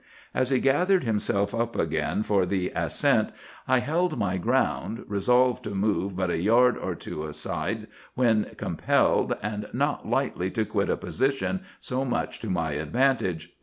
"As he gathered himself up again for the ascent I held my ground, resolved to move but a yard or two aside when compelled, and not lightly to quit a position so much to my advantage.